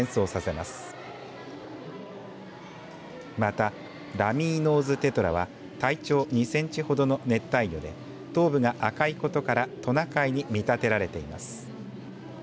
また、ラミーノーズテトラは体長２センチほどの熱帯魚で頭部が赤いことからトナカイに見立てられています。